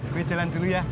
gue jalan dulu ya